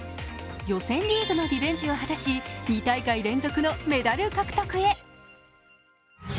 予選リーグのリベンジを果たし、２大会連続のメダル獲得へ。